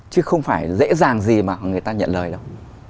chứ không phải dễ dàng gì mà người ta nhận lời đâu